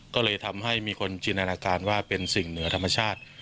ก็เลยทำให้มีคนจินตนาการว่าเป็นสิ่งเหนือธรรมชาติ